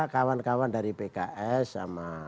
kawan kawan dari pks sama